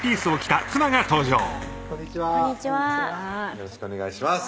よろしくお願いします